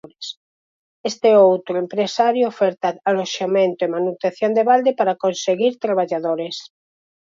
Este outro empresario oferta aloxamento e manutención de balde para conseguir traballadores.